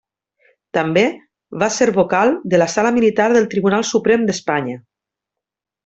També va ser vocal de la Sala Militar del Tribunal Suprem d'Espanya.